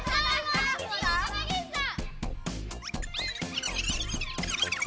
高岸さん！